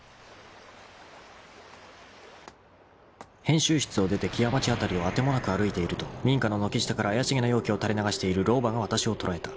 ［編集室を出て木屋町辺りを当てもなく歩いていると民家の軒下から怪しげな妖気を垂れ流している老婆がわたしを捉えた。